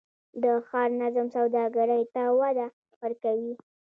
د ښار نظم سوداګرۍ ته وده ورکوي؟